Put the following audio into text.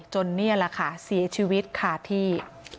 นี่แหละค่ะเสียชีวิตขาดที่